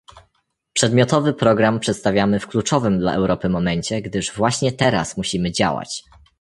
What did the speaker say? Przedmiotowy program przedstawiamy w kluczowym dla Europy momencie, gdyż właśnie teraz musimy działać